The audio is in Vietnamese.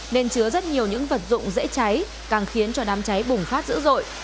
nên chứa rất nhiều những vật dụng dễ cháy càng khiến cho đám cháy bùng phát dữ dội